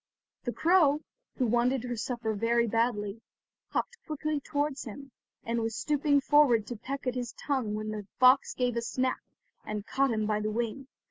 The crow, who wanted her supper very badly, hopped quickly towards him, and was stooping forward to peck at his tongue when the fox gave a snap, and caught him by the wing.